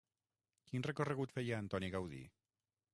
Quin recorregut feia Antoni Gaudí?